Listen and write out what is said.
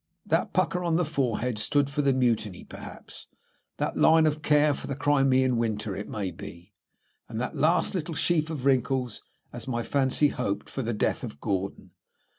That pucker on the forehead stood for the Mutiny, perhaps; that line of care for the Crimean winter, it may be; and that last little sheaf of wrinkles, as my fancy hoped, for the death of Gordon.